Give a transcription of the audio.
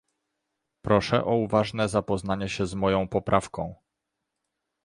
Proszę o uważne zapoznanie się z moją poprawką